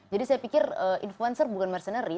jadi saya pikir influencer bukan mercenary